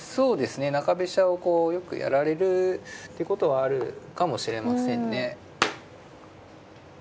中飛車をこうよくやられるってことはあるかもしれませんね。